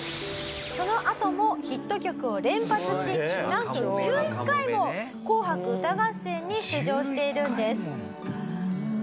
そのあともヒット曲を連発しなんと１１回も『紅白歌合戦』に出場しているんです。